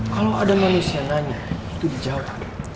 kalau ada manusia nanya itu di jauh